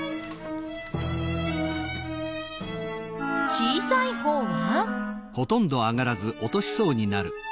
小さいほうは？